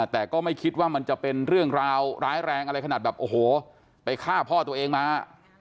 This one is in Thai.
แต่ก็ไม่คิดว่ามันจะเป็นเรื่องราวร้ายแรงอะไรขนาดแบบโอ้โหไปฆ่าพ่อตัวเองมา